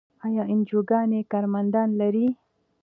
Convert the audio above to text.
آیا انجیوګانې کارمندان لري؟